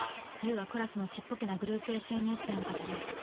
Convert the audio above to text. ＵはクラスのちっぽけなグループＳＮＳなんかじゃない。